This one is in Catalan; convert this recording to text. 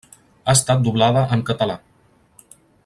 Ha estat doblada en català.